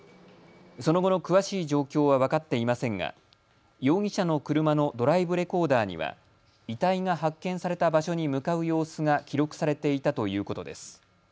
その後の詳しい状況は分かっていませんが容疑者の車のドライブレコーダーには遺体が発見された場所に向かう様子が記録されていたということです。